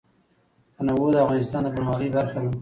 تنوع د افغانستان د بڼوالۍ برخه ده.